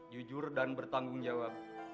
jujur dan bertanggung jawab